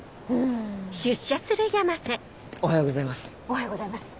おはようございます。